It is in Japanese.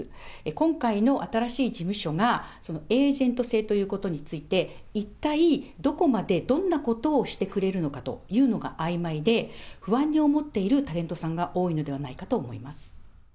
今回の新しい事務所が、そのエージェント制ということについて、一体どこまで、どんなことをしてくれるのかというのがあいまいで、不安に思っているタレントさんが多いのではないかと思います。